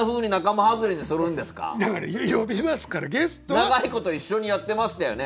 長いこと一緒にやってましたよね？